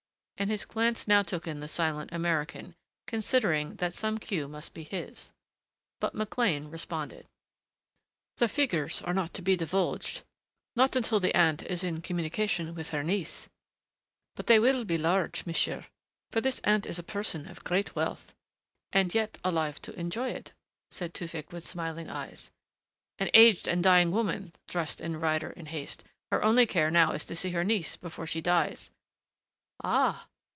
and his glance now took in the silent American, considering that some cue must be his. But McLean responded. "The figures are not to be divulged not until the aunt is in communication with her niece. But they will be large, monsieur, for this aunt is a person of great wealth." "And yet alive to enjoy it," said Tewfick with smiling eyes. "An aged and dying woman," thrust in Ryder in haste. "Her only care now is to see her niece before she dies." "Ah!...